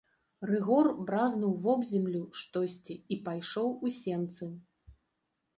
Рыгор бразнуў вобземлю штосьці і пайшоў у сенцы.